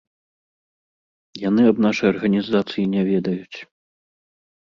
Яны аб нашай арганізацыі не ведаюць.